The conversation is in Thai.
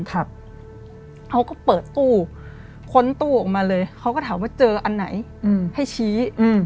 เขาก็เปิดตู้ค้นตู้ออกมาเลยเขาก็ถามว่าเจออันไหนให้ชี้